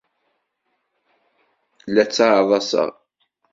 La ttaḍḍaseɣ.